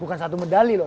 bukan satu medali loh